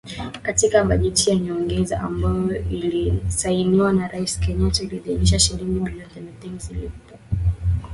Katika bajeti ya nyongeza ambayo ilisainiwa na Rais Kenyatta, aliidhinisha shilingi bilioni thelathini zilipwe kwa wasambazaji mafuta nchini Kenya.